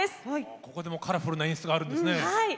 ここでもカラフルな演出があるんですね。